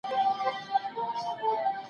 بې نظمي د انسان روح ته زيان رسوي.